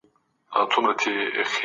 په ټولنه کې د خیر کارونه وکړئ.